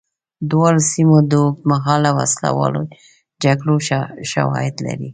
دواړو سیمو د اوږدمهاله وسله والو جګړو شواهد لري.